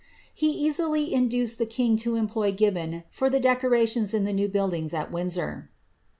He easily induced the king to employ Gibbon for the deco rntirtns in the new buildings at Windsor.